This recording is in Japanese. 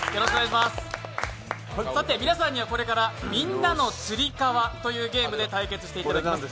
皆さんにはこれから「みんなのつり革」というゲームで対決していただきます。